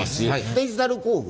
デジタル工具